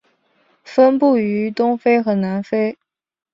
分布于东非和南非。